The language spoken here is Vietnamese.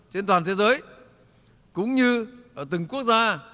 trên toàn thế giới cũng như ở từng quốc gia